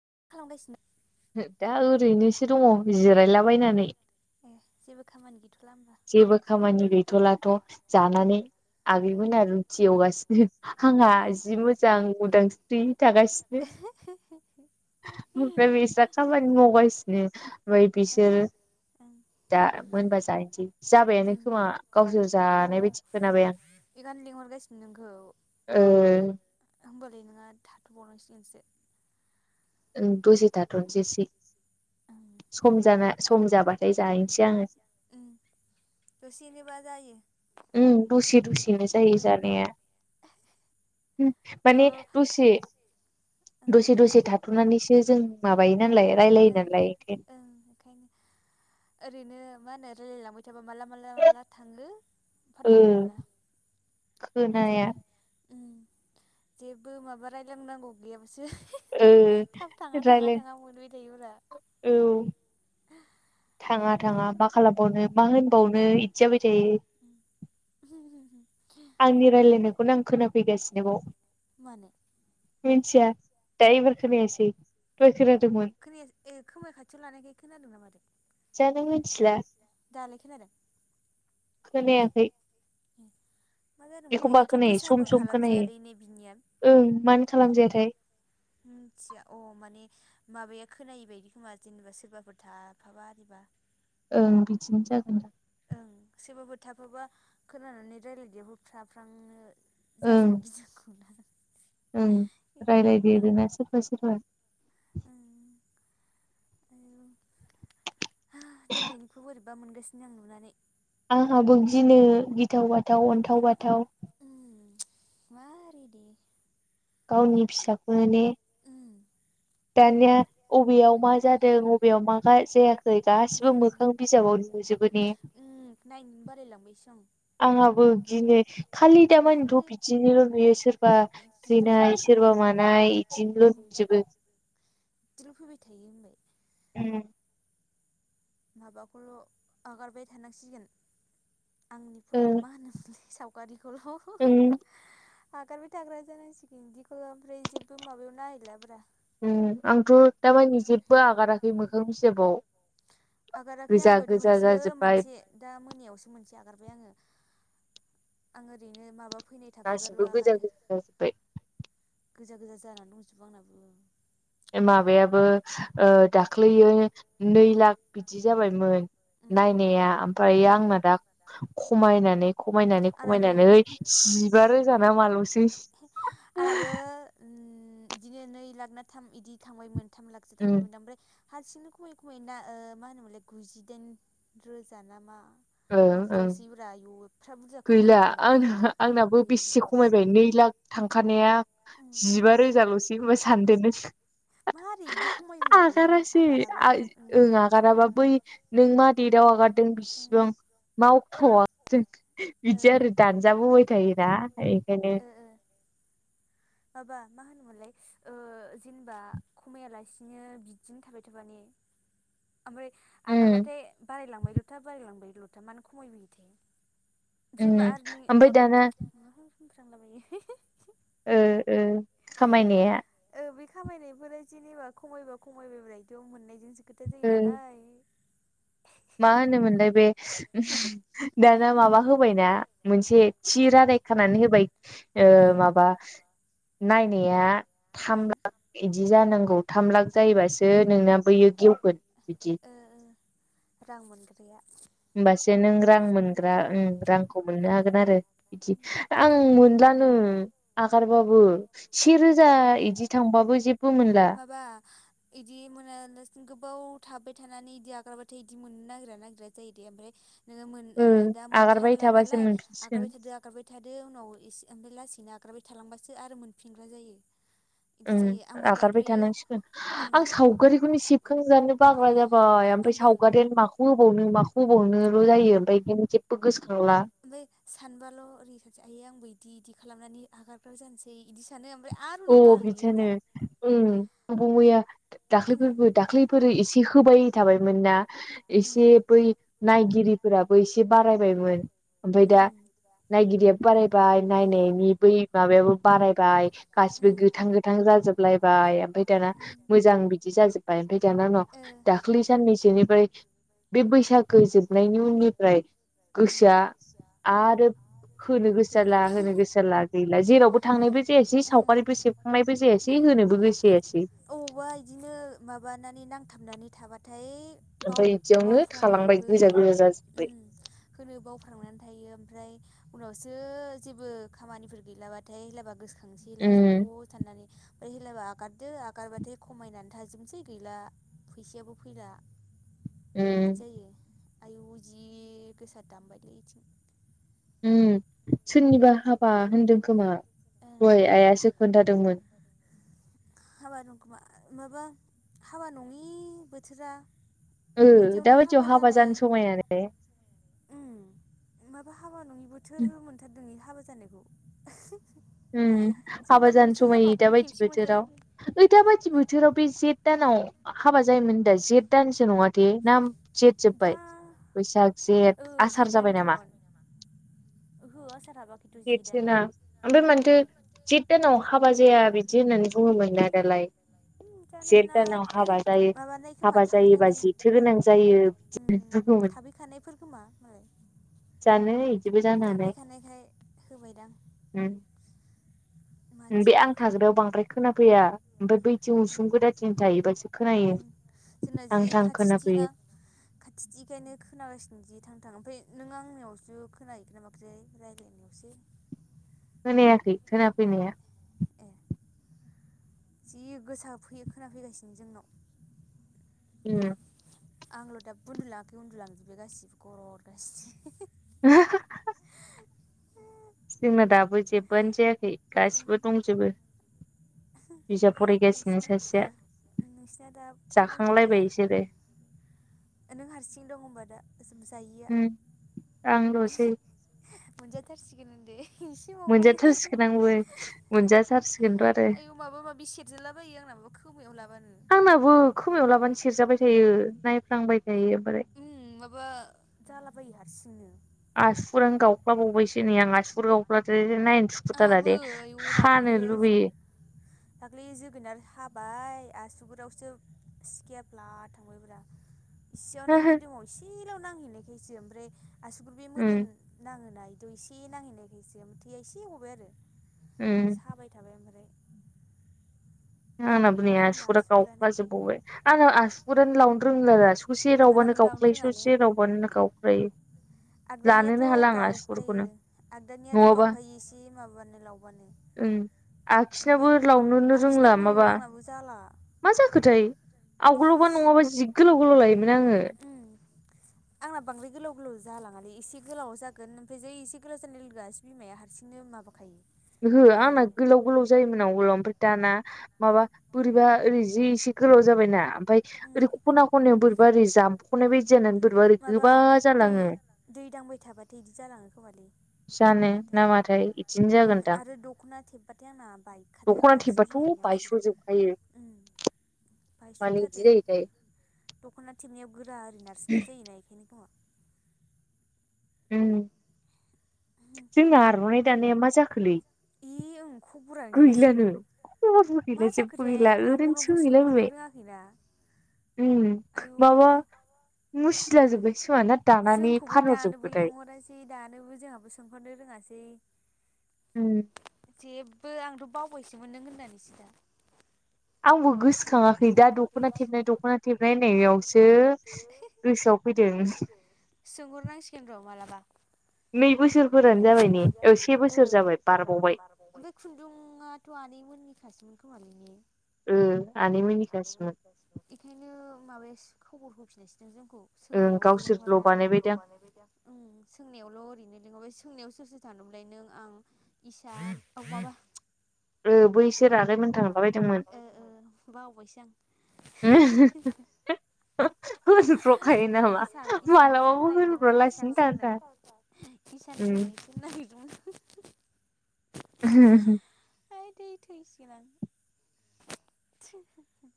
मा खालामगासिनो? दा ओरैनोसो दङ जिरायलाबायनानै। ए जेबो खामानि जेबो खामानि गैथ'लाथ' जानानै। आगैमोना रुथि एवगासिनो आंहा जि मोजां उदांस्रि थागासिनो। ओमफ्राय बिसोरा खामानि मावगासिनो ओमफ्राय बिसोर दा मोनबा जायैनसै। जाबायानो खोमा गावसोर जानाय बायदि खोनाबाय आं। नोंगौ। होमबालाय नोंङा थाथ'बावनांसिगोनसो। ओ दसे थाथसै से सम जाना सम जाबाथाय जाहैनसै आङो। दसेनोबा जायो उम दसे दसेनो जायो जानाया। उम माने दसे दसे दसे थाथ'नानैसो जों ओं ओं ओंखायनो ओरैनो मा होनो रायलायलांबाय सोराबा माला माला माला थाङो फातटाखौनो मोना। खोनाया जेबो माबा रायलांनांगौ गैयाब थाब थाङा थाङा थाङा मोनबाय थायोब्रा थाङा थाङा मा खालामबावनो मा होनबावनो इदिजाबाय थायो आंनि रायलायनायखौनो आं खोनाफैगासिनोबाव मानो? मिन्थिया दा एबार खोनायासै दवाइ खोनादो। खोनया ए खोमा खाथियाव लानायखाय खोनादों ना माथाय जानो मिथिला खोनायाखै ए एखमबा खोनायो सम सम खोनायो ओं मानो खालामजायाथाय मिथिया अ माने माबाया खोनायि बायदि खोमा जेनेबा सोरबाफोर थाफाबा आरिबा ओं बिदिनो जागोन सोरबाबो थाफाबा खोनानानै रायलायदियाव होफ्रां फ्रां जाजानो गिनांगौ। ओं राइलायदेरोना सोरबा सोरबा। दहायनिखौ बोरैबा मोनगासिनो आं नुनानै आंहाबो गिनो गिथाव बाथाव अन्थाव बाथाव। उ मारै दे। गावनि फिसाखौनो ने। दानिया अबेयाव मा जादों अबेयाव मा जायाखै गासिबो मोखां बिजाबाव नुयो। जोबोने। नायनो बारायलांबायसो। आंहाबो बिदिनो खालि दामानिथ' बिदिनोनो नुयो सोरबा थैनाय सोरबा। सोरबामानाय इदिनिल' नुजोबो। बिदिल' फैबाय थायो ओमफाय। उम। माबाखौल' आगारबाय थानांसिगोन। आंनि मा होनोमोनलै सावगारिखौल'। हगारबाय थाग्रा जानांसिगोन बिदिखौ ओमफ्राय जेबो माबायाव नायैला ब्रा। आंथ' दामानि जेबो आगाराखै मोखां बिजाबाव। आगाराखै आंबो दहायसो मोनसे दा मोनायावसो मोनसे आगारबाय आङो। आं ओरैनो माबा। गासिबो गोजा गोजा जाजोब्बाय। गोजा गोजा जानानै दंजोबो आंनाबो। माबायाबो ओ दाख्लैयो नै लाख बिदि जाबायमोन। नायनाया ओमफ्राय आंना दा खमायना। खमायनानै खमायनानै जिबा रोजाना माल'सै। आराबो बिदिनो नै लाख ना थाम बिदि थांबायमोन थाम लाखसो थांबायमोन ओमफ्राय हारसिंनो खुमायै खुमायै ना ओ मा होनोमोनलाय गुजिदाइन रोजा नामा? इदिल'सै ब्रा आयु एफा बुरजामोन। गैला आं आंनाबो बेसे खमायबाय नै लाख थांखानाया। जिबा रोजाल'सै होनबा सानदेरनोसै। आगारासै ओं आगाराबा बै नों मा देटआव। बावगारदों बिसिबां मा अक्ट'व जों। बिदि आरो दानजाबोबाय थायोना बेखायनो। माबा मा होनोमोनलाय ओ जेनेबा खमायालासिनो बिदिनो थाबाय थाबा ने। ओमफ्राय आगारबाथाय बारायलांबाय ल'था बारायलांबाय ल'था मानो खमायबोबाय थायो। जेनेबा आरनि माबा फ्रांलाबायो। ओ ओ खामायनाया। बे खामायनायफोरा जेनेबा खमायबा खमायबायबथ' मोननायजोंसो खोथा जायो नालाय। मा होनोमोनलाय बे दाना माबा होबायना मोनसे थि रादाय खानानै होबाय ओ माबा नायनाया थाम लाख बिदि जानांगौ थाम लाख जायोबासो नोंना बैयो गेवगोन। बिदि। रां मोनग्राया। होनबासो नों रां मोनग्रा रांखौ मोननो हागोन आरो बिदि आं मोनला। जानो आगारबाबो सेेरोजा इदि थांबाबो जो। माबा। बिदि मोनालासिनो गोबाव थाबाय थानानै इदि आग्राबाथाय बिदि मोननो नागिरा नागिरा जायो दे ओमफ्राय नोङो मोन दा मोनथारला नालाय आगारबाय थादो आगारबाय थादो उनाव एसे ओमफ्राय लासै। बि नाग्राबाय थालांबासो आरो मोनफिनग्रा जायो। उ आगारबाय थानांसिगोन आं सावगारिखौनो सेबखांजानो बाग्रा जाब बाय ओमफ्राय सावगारियानो माखौ होबावनो माखौ होबावनोल' जायो ओमफ्राय बे जेबो गोसो ओमफ्राय सानबाल' ओरै सानसे आइ आंबो इदि इदि खालामनानै हगारफ जानोसै बिदि सानो। अ बिथोनो उम बया दाख्लैफोरबो दाख्लैफोर एसे। होबाय थाबायमोन ना एसे बै नाय। गिरिफोराबो एसे बारायबायमोन। ओमफफ्राय दा नायगिरियाबो बारायबाय नायनायनि बै माबायाबो बारायबाय। बाय ओमफ्राय दाना मोजां बिदि जाजोब। बाय ओमफ्राय दाना उनाव दाख्लै साननैसोनिफ्राय बे बैसाग गो जोबनायनि उननिफ्राय गोसोआ। आरो होनो गोसो जाला होनो गोसो जाला गैला जेरावबो थांनायबो जायासै साव गारिबो सेबखांनायबो जायासै होनोबो गोसो जायासै। थाबाथाय बाव-बावफ्लाङो होनो उम होनो बावफ्लांनानै थायो। ओमफ्राय उनावसो जेबो खामानिफोर गैलाबाथाय लाबा गोसो खांसै अ सान्नानै। फैलाबा आगारदो आगारबाथाय खमायनानै थाजोबनोसै गैला फैसायाबो फैला। बिदि जायो आयु जि गोसा दामबायलै बिथिं। उम सोरनिबा हाबा होनदों खोमा। दहाय आइआसो खोन्थादोंमोन। हाबा दं खोमा माबा हाबा नङि बोथोरा। उम दा बायदियाव हाबा जानो समाया आरो? माबा हाबा नङि बोथोर मोनथारदों बे हाबा जानायखौ। उम हाबा जानो समायै दाबादि बोथोराव। ओइ दाबायदि बोथोराव बे जेथ दानाव हाबा जायोमोन दा जेथ दानसो नङा दे ना? जेथ जोब्बाय बैसाग जेथ आसार जाबाय नामा? ओहो आसार हाबाखैथ जेथ आनो। बे माथो जेथ दानाव हाबा जाया बिदि होननानै बुङोमोन ना दालाय। [inaudible] जेथ दानाव हाबा जायो हाबा जायोबा जेथो गोनां जायो बिदि बुङोमोन। फैखानायफोर खोमा मालाय। जानो थाफैखानायखाय होबायदां। उम बे आं थाग्रायाव बांद्राय खोनाफैया। ओमफ्राय बैथिं उसुं गोदाथिं थायोबासो खोनायो थां थां खोनाफैयो। खाथिथिखायनो खोनागासिनो जि थां। थां ओमफ्राय नों आंनियावसो खोनाहैखोना माखोथाय रायज्लायनायावसो। खोनायाखै खोनाफैनाया। जि गोसा फैयो खोनाफैगासिनो जोंनाव। उम आंल' दाबो उन्दुलाङाखै उन्दुलांजोबबाय गासिबो गरद गासिनो। [inaudible] जोंना दाबो जेबोआनो जायाखै गासिबो दंजोबो। बिजाब फरायगासिनो सासेया। नोंसिना दा थाब उन्दुखाया ए नों हारसिङै दं होनबा दा? उम आंलसै। मोनजाथारसिगोन होन्दो एसे बावबानो। आयौ माबा माबि सेरजालाबायो आंनाबो खोमायाव लाबानो। आंनाबो खोमायाव लाबानो सेरजाबाय थायो नायफ्लांबाय। उम माबा जालाबायो हारसिंनो। आसुगुरानो गावख्लाबबावबायसो नै आं आसुगुर गावख्लाबबाथाय। आंहाबो आयु दाख्लैयो दाख्लैयो जोगोनार हाब बाय आसुगुरावसो सिखाया ब्ला थांबाय। इसेयावनो मोदोमाव इसेल' नांहैनोखायसो ओमफ्राय आसुगुर बे मोदोम नाङोना? दा एसे नांहैनायखायसो ओम थैया एसे गबाय आरो साबाय थाबाय ओमफ्राय। आंनाबो नै आसुगुरा गावख्ला जोबबावबाय आंना आसु गुरानो लावनो रोंला ससे लावबानो गावख्लायो ससे लावबानो गावख्लायो। आगदानियाथ' गावखायो आगदानियाथ' गावखायो एसे माबाबानो लावबानो। ओम आखिनियाबो लावनोनो रोंला। आंनाबो जाला। मा जाखोथाय आवगोलावबा नङाबा जि गोलाव गोलाव लायोमोन आङो। [inaudible] आंना बांद्राय गोलाव गोलाव जालाङालै एसे गोलाव जागोन ओमफ्राय जै एसे गोलाव जानाय लोगो लोगो बिमाया हारसिंनो माबाखायो। ओहो आंना गोलाव गोलाव जायोमोन आगोलाव ओमफ्राय दाना माबा बोरैबा ओरै जै इसे गोलाव जाबायना आमफ्राय ओरै खना खनायाव बोरैबा ओरै जामख'नाय बायदि जानानै माबा दै दै दांबाय थाबाथाय बिदि जालाङो खोमालै। जानो नामाथाय इदिनो जागोन दां। आरो दख'ना थेबबाथाय आंना बायखाथारो आसि बिमानि आसुगुरा। मानो इदि जायोथाय! दख'ना थेबनायाव गोरा ओरै नारसिननाय जायोना बेखायनो दां। उम। जोंना आर'नाय दानाया मा जाखोलै? खबरानो गैला जेबो। मा जाखोथाय आब'नावबो सोंहरनो रोङाखैना। उम माबा मुसिला जोबबाय जोंखौबो दानोबो लेंहरासै दानोबो जोंहाबो सोंहरनो रोङासै। उम। जेबो आंथ' बावबायसोमोन नों होननानैसो दा। आंबो गोसोखाङाखै दा दख'ना थेबनाय दख'ना थेबनाय होन्नायावसो। सोंहरनांसिगोन र' मालाबा। नै बोसोरफोरानो जाबाय ने ओ से बोसोर जाबाय बारबावबाय। गुबुननि खासोमोन खोमालै ने? इखायनो माबायासै खबर होफिनासै जोंखौ सोंनायावल' लेंहर सोंनायावल' ओरैनो लेंहरबाय सोंनायाव सोर सोर थांदोंमोनलाय नों आं इसा अ माबा ओ ओ बावबायसो आं। [inaudible] होनब्र'खायो नामा मालाबाबो होनब्र'आलासिनो थाया। इसान सोंनायखौ नाहैदोंमोन आयदै [unintelligible]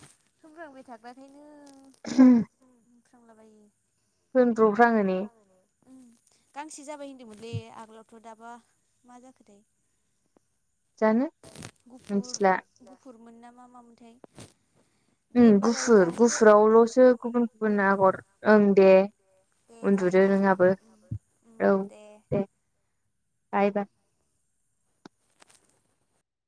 होनफ्रांबाय थाग्राखायनो [inaudible] होनफ्रांलाबायो। होनब्र'फ्राङो ने? गांसे जाबाय होनदोंमोनलै आगोलावथ' दाबा मा जाखोथाय? जानो मिथिला। मोन ना मा मामोनथाय? ओम गुफुर गुफुरावल'सो गुबुन गुबुन आगर ओं दे। [inaudible] [unintelligible]